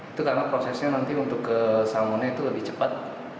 itu karena prosesnya nanti untuk kesamunnya itu lebih cepat